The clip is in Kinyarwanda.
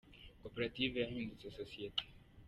Koperative yahindutse sosiyeti